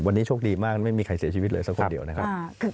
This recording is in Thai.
วันนี้โชคดีมากไม่มีใครเสียชีวิตเลยสักคนเดียวนะครับ